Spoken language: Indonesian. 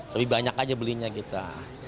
lebih banyak aja belinya kita